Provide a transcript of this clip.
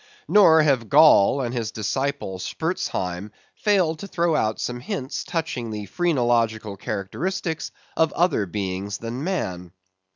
Nor have Gall and his disciple Spurzheim failed to throw out some hints touching the phrenological characteristics of other beings than man.